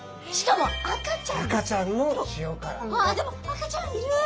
あっでも赤ちゃんいる！